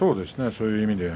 そういう意味では。